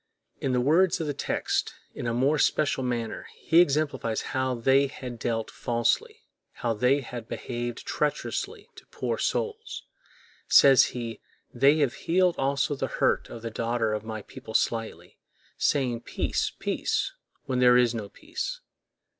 In the words of the text, in a more special manner, he exemplifies how they had dealt falsely, how they had behaved treacherously to poor souls: says he, "They have healed also the hurt of the daughter of my people slightly, saying, Peace, peace, when there is no peace."